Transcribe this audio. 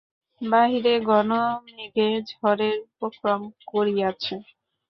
বাহিরে ঘন মেঘে ঝড়ের উপক্রম করিয়াছে।